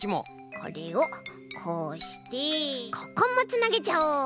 これをこうしてここもつなげちゃおう！